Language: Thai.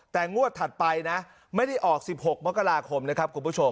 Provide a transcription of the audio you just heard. แต่งวดถัดไปนะไม่ได้ออก๑๖มกราคมนะครับคุณผู้ชม